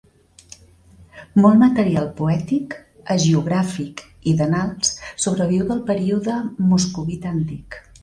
Molt material poètic, hagiogràfic i d'annals sobreviu del període moscovita antic.